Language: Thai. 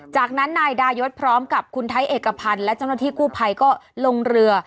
จากนั้นนายดายศพร้อมกับคุณไทยเอกพันธ์และเจ้าหน้าที่กู้ภัยก็ลงเรือ